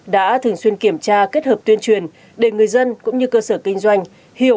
đã thường xuyên kiểm tra kết hợp tuyên truyền để người dân cũng như cơ sở kinh doanh hiểu